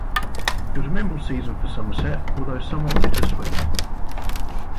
It was a memorable season for Somerset, although somewhat bitter-sweet.